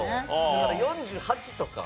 だから４８とか。